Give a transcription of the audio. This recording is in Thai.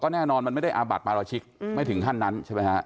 แน่นอนมันไม่ได้อาบัติปราชิกไม่ถึงขั้นนั้นใช่ไหมฮะ